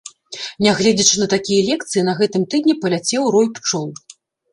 Нягледзячы на такія лекцыі, на гэтым тыдні паляцеў рой пчол.